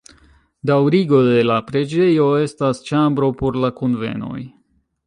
Daŭrigo de la preĝejo estas ĉambro por la kunvenoj.